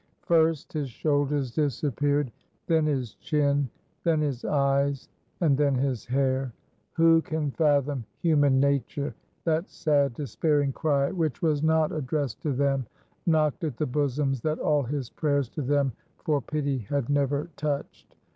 First his shoulders disappeared, then his chin, then his eyes, and then his hair. Who can fathom human nature? that sad, despairing cry, which was not addressed to them, knocked at the bosoms that all his prayers to them for pity had never touched.